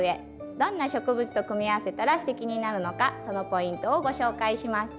どんな植物と組み合わせたらすてきになるのかそのポイントをご紹介します。